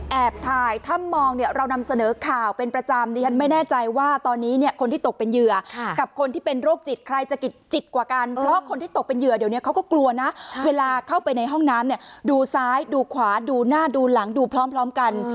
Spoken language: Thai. ถ่ายถ้ามองเนี่ยเรานำเสนอข่าวเป็นประจำดิฉันไม่แน่ใจว่าตอนนี้เนี่ยคนที่ตกเป็นเหยื่อกับคนที่เป็นโรคจิตใครจะจิตกว่ากันเพราะคนที่ตกเป็นเหยื่อเดี๋ยวนี้เขาก็กลัวนะเวลาเข้าไปในห้องน้ำเนี่ยดูซ้ายดูขวาดูหน้าดูหลังดูพร้อมกัน